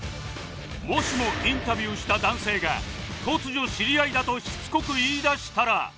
もしもインタビューした男性が突如知り合いだとしつこく言いだしたら